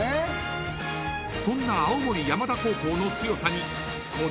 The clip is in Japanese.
［そんな青森山田高校の強さにこの男が迫る！］